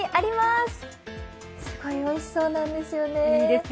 すごいおいしそうなんですよね。